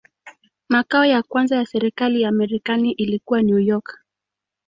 Makao ya kwanza ya serikali ya Marekani ilikuwa New York.